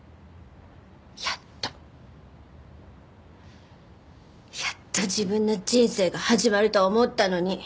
やっとやっと自分の人生が始まると思ったのに。